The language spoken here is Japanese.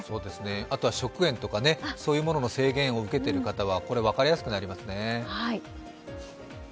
あとは食塩などの制限を受けている方は分かりやすくなりますね。